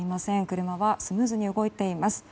車はスムーズに動いています。